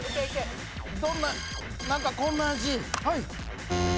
何かこんな字。